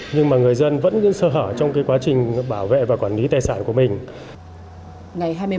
nhưng mà người dân vẫn sơ hở trong quá trình bảo vệ và quản lý tài sản của mình